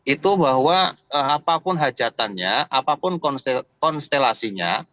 itu bahwa apapun hajatannya apapun konstelasinya